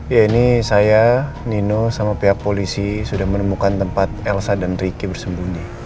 ya ini saya nino sama pihak polisi sudah menemukan tempat elsa dan riki bersembunyi